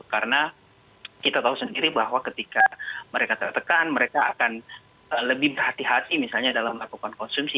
karena kita tahu sendiri bahwa ketika mereka tertekan mereka akan lebih berhati hati misalnya dalam melakukan konsumsi